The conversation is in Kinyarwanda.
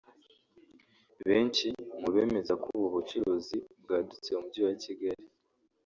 Benshi mu bemeza ko ubu bucuruzi bwadutse mu Mujyi wa Kigali